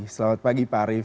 selamat pagi pak arief